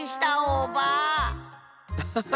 アハハ。